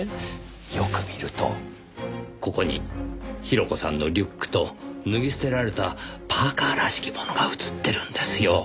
よく見るとここに広子さんのリュックと脱ぎ捨てられたパーカーらしきものが写ってるんですよ。